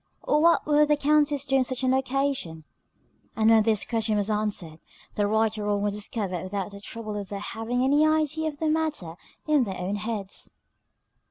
Or what would the Countess do on such an occasion? And when this question was answered, the right or wrong was discovered without the trouble of their having any idea of the matter in their own heads.